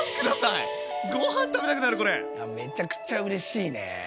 いやめちゃくちゃうれしいね。